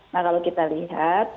nah kalau kita lihat